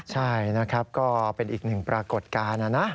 ใช่นะครับก็เป็นอีกหนึ่งปรากฏการณ์นะนะ